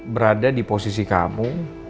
berada di posisi kamu